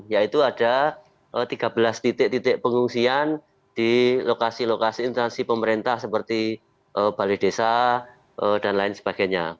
yaitu ada tiga belas titik titik pengungsian di lokasi lokasi instansi pemerintah seperti balai desa dan lain sebagainya